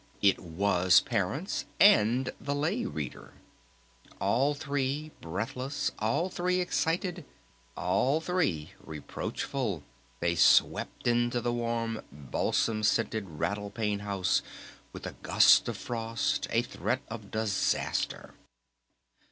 It was Parents and the Lay Reader. All three breathless, all three excited, all three reproachful, they swept into the warm, balsam scented Rattle Pane House with a gust of frost, a threat of disaster.